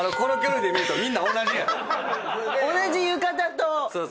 同じ浴衣と。